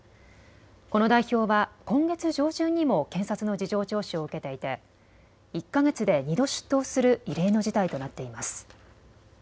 この代表は今月上旬にも検察の事情聴取を受けていて１か月で２度出頭する異例の事態となっています。